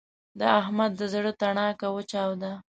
د احمد د زړه تڼاکه وچاوده.